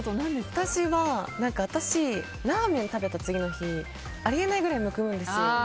私はラーメンを食べた次の日ありえないぐらいむくむんです。